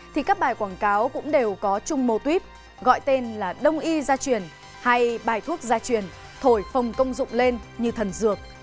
thì các bài quảng cáo cũng đều có chung mô tuyếp gọi tên là đông y gia truyền hay bài thuốc gia truyền thổi phòng công dụng lên như thần dược